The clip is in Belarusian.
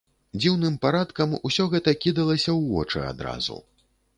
Дзіўным парадкам усё гэта кідалася ў вочы адразу.